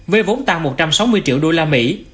với vốn tăng một trăm sáu mươi triệu đô la mỹ